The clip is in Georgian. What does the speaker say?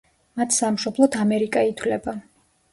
მათ სამშობლოდ ამერიკა ითვლება.